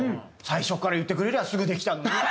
最初から言ってくれりゃすぐできたのにって。